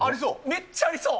めっちゃありそう。